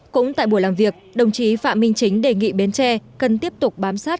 cũng tại buổi làm việc đồng chí phạm minh chính đề nghị bến tre cần tiếp tục bám sát